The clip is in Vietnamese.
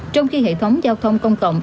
trong khi hệ thống giao thông công cộng